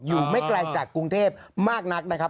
ไม่ไกลจากกรุงเทพมากนักนะครับ